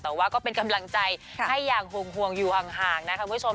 แต่ว่าก็เป็นกำลังใจให้อย่างห่วงอยู่ห่างนะคะคุณผู้ชม